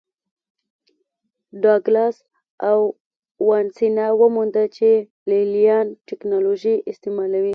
ډاګلاس او وانسینا ومونده چې لې لیان ټکنالوژي استعملوي